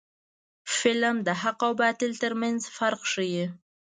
فلم د حق او باطل ترمنځ فرق ښيي